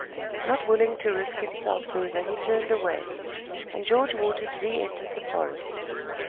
Not willing to risk himself further he turned away, and George Waters re entered the forest.